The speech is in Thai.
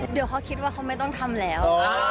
เดี๋ยวเขาคิดว่าเขาไม่ต้องทำแล้ว